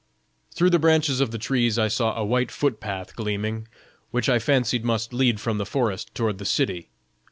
Through the branches of the trees I saw a white foot path gleaming, which I fancied must lead from the forest toward the city.